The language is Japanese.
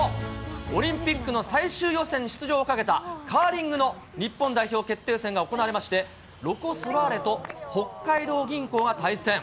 オリンピックの最終予選出場をかけたカーリングの日本代表決定戦が行われまして、ロコ・ソラーレと、北海道銀行が対戦。